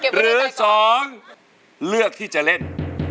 หรือ๒เลือกที่จะเล่น